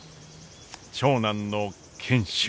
長男の賢秀。